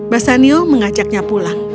bassanio mengajaknya pulang